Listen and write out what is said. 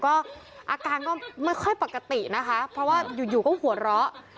ก็อาการก็ไม่ค่อยปกตินะคะเพราะว่าอยู่ก็หัวเราะ